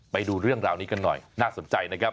ไปดูเรื่องราวนี้กันหน่อยน่าสนใจนะครับ